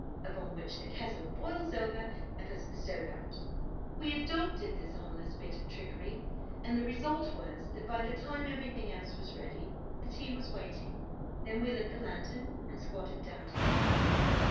Upon which the kettle boils over, and puts the stove out. We adopted this harmless bit of trickery, and the result was that, by the time everything else was ready, the tea was waiting. Then we lit the lantern, and squatted down to supper.